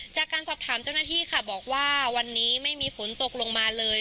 จากการสอบถามเจ้าหน้าที่ค่ะบอกว่าวันนี้ไม่มีฝนตกลงมาเลย